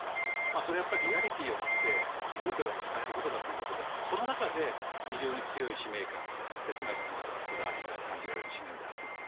それはリアリティーを持ってニュートラルに伝えることだということでその中で非常に強い使命感哲学、こだわりが感じられる紙面であるということ。